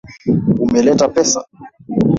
Umeleta pesa?